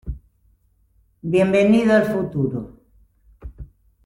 bienvenido al futuro.